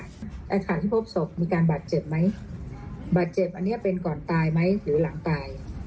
อาคารที่พบศพมีการบาดเจ็บไหมบาดเจ็บอันนี้เป็นก่อนตายไหมหรือหลังตาย